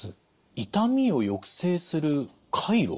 痛みを抑制する回路ですか？